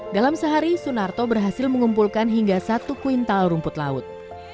dalam sehari sunarto berhasil mengumpulkan hingga satu kuintal rumput laut